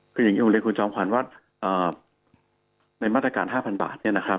คืออย่างนี้ผมเรียนคุณจอมขวัญว่าในมาตรการ๕๐๐บาทเนี่ยนะครับ